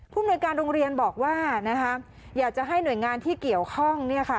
ผู้หมายการโรงเรียนบอกว่าอยากจะให้หน่วยงานที่เกี่ยวข้อง